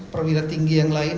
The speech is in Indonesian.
pemirsa tinggi yang lain